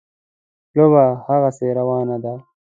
لوبه هغسې روانه ده.